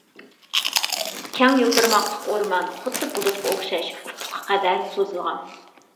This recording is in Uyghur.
كەڭ يوپۇرماقلىق ئورمان خۇددى بۇلۇتقا ئوخشاش-ئۇپۇققا قەدەر سوزۇلغان.